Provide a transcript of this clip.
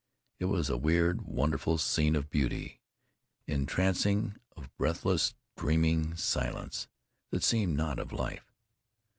It was a weird, wonderful scene of beauty entrancing, of breathless, dreaming silence that seemed not of life.